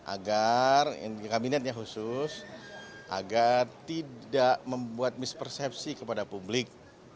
agar kabinetnya khusus agar tidak membuat mispersepsi kepada publik